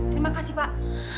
terima kasih pak